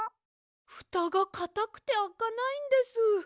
ふたがかたくてあかないんです。